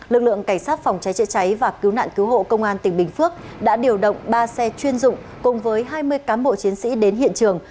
lực lượng cảnh sát phòng cháy chữa cháy và cứu nạn cứu hộ công an tỉnh bình phước đã điều động ba xe chuyên dụng cùng với hai mươi cán bộ chiến sĩ đến hiện trường